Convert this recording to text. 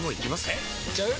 えいっちゃう？